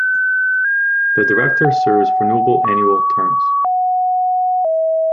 The Director serves renewable annual terms.